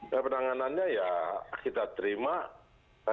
ya penanganannya ya kita terima